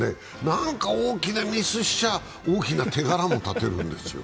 なんか大きなミスしちゃ、大きな手柄もたてるんですよ。